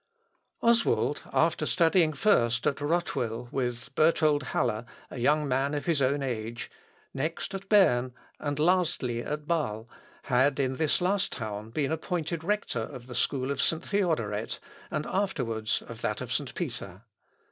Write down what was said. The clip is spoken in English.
Oswald, after studying first at Rothwyl with Berthold Haller, a young man of his own age, next at Berne, and lastly at Bâle, had in this last town been appointed rector of the school of St. Theodoret, and afterwards of that of St. Peter.